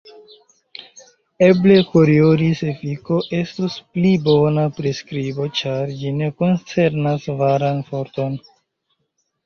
Eble Koriolis-efiko estus pli bona priskribo, ĉar ĝi ne koncernas veran forton.